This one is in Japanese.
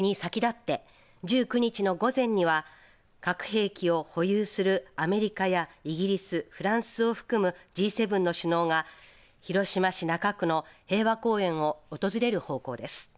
関係者によりますとこれに先立って１９日の午前には核兵器を保有するアメリカやイギリス、フランスを含むＧ７の首脳が広島市中区の平和公園を訪れる方向です。